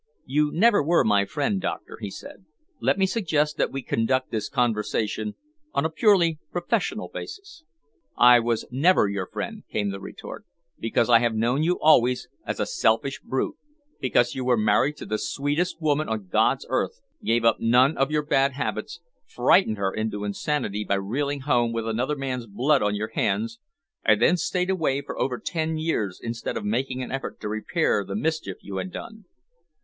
"You were never my friend, Doctor," he said. "Let me suggest that we conduct this conversation on a purely professional basis." "I was never your friend," came the retort, "because I have known you always as a selfish brute; because you were married to the sweetest woman on God's earth, gave up none of your bad habits, frightened her into insanity by reeling home with another man's blood on your hands, and then stayed away for over ten years instead of making an effort to repair the mischief you had done."